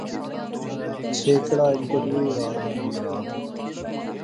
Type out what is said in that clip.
چھیکڑا انٹرویو وہا